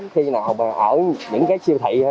khi nào mà ở những cái siêu thị